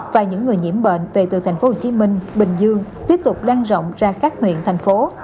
và những người nhiễm bệnh về từ tp hcm bình dương tiếp tục lan rộng ra các huyện thành phố